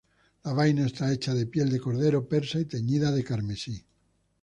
La vaina está hecha de piel de cordero persa y teñida de carmesí.